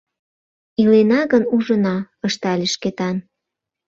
Илена гын, ужына... — ыштале Шкетан.